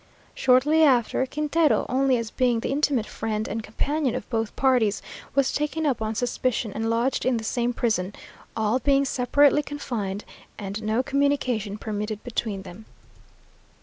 Shortly after, Quintero, only as being the intimate friend and companion of both parties, was taken up on suspicion and lodged in the same prison; all being separately confined, and no communication permitted between them.